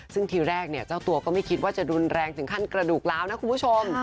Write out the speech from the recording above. ซึ่งทีแรกเนี่ยเจ้าตัวก็ไม่คิดว่าจะรุนแรงถึงขั้นกระดูกล้าวนะคุณผู้ชม